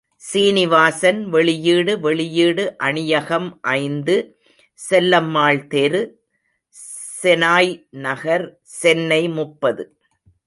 சீனிவாசன் வெளியீடு வெளியீடு அணியகம் ஐந்து, செல்லம்மாள் தெரு, செனாய் நகர், சென்னை முப்பது.